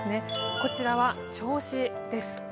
こちらは銚子です。